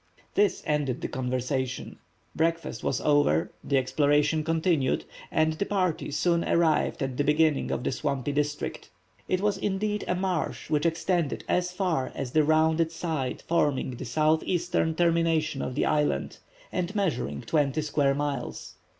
This ended the conversation. Breakfast was over, the exploration continued, and the party soon arrived at the beginning of the swampy district. It was, indeed, a marsh which extended as far as the rounded side forming the southeastern termination of the island, and measuring twenty square miles.